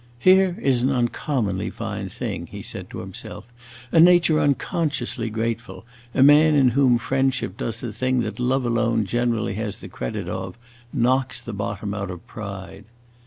"Here is an uncommonly fine thing," he said to himself: "a nature unconsciously grateful, a man in whom friendship does the thing that love alone generally has the credit of knocks the bottom out of pride!"